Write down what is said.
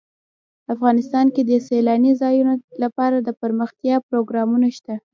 افغانستان کې د سیلانی ځایونه لپاره دپرمختیا پروګرامونه شته.